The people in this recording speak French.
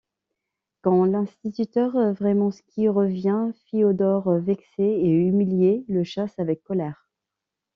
Quand l’instituteur Vrémenski revient, Fiodor, vexé et humilié, le chasse avec colère.